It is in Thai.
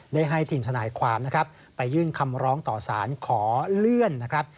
ได้ให้ทีมทนายความนะครับไปยื่นคำร้องต่อสารขอเลื่อนนะครับ